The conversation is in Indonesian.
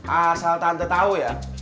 asal tante tau ya